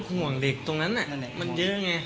ห่วงเด็กตรงนั้นมันเยอะไง